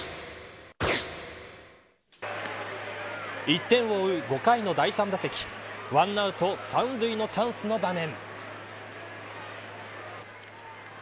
１点を追う５回の第３打席１アウト３塁のチャンスの場面。